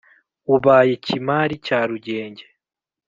Ubaye Kimari cya Rugenge